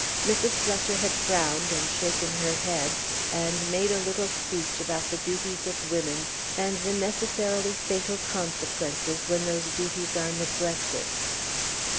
Mrs. Fletcher had frowned, and shaken her head, and made a little speech about the duties of women, and the necessarily fatal consequences when those duties are neglected.